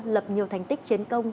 lập nhiều thành tích chiến công